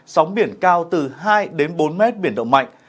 sóng biển cao từ hai bốn m biển động mạnh